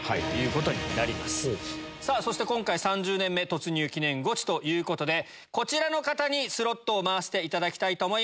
今回３０年目突入記念ゴチということでこちらの方にスロットを回していただきたいと思います。